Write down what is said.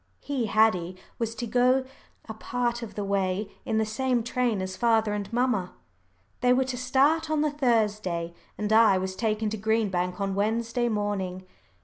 He Haddie was to go a part of the way in the same train as father and mamma. They were to start on the Thursday, and I was taken to Green Bank on Wednesday morning.